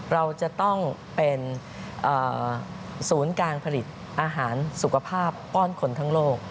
เราจะต้องเป็นศูนย์การผลิตอาหารสุขภาพป้อนคนทั้งโลก